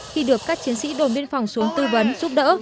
khi được các chiến sĩ đồn biên phòng xuống tư vấn giúp đỡ